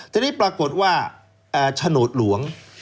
ทีนี้ปรากฏว่าโฉนดหลวง